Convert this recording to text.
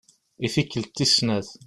I tikkelt tis snat.